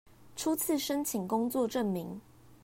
初次申請工作證明